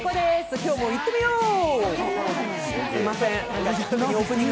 今日もいってみよー！